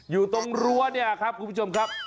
อยู่ตรงรั้วเนี่ยครับคุณผู้ชมครับ